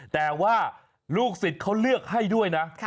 แต่ว่าลูกศิษย์เขาเลือกให้ด้วยนะ